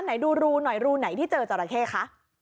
ไหนดูรูหน่อยรูไหนที่เจอจราเข้คะ